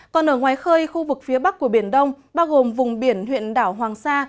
còn ở ngoài khơi khu vực phía bắc của biển đông bao gồm vùng biển huyện đảo hoàng sa